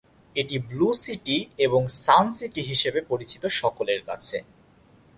এটি "blue city" এবং "sun city" হিসাবে পরিচিত সকলের কাছে।